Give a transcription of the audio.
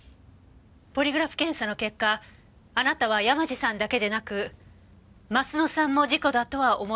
ポリグラフ検査の結果あなたは山路さんだけでなく鱒乃さんも事故だとは思ってなかった。